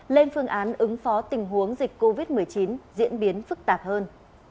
lên phương án ứng phó tình huống dịch covid một mươi chín diễn biến phức tạp hơn